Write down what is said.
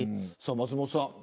松本さん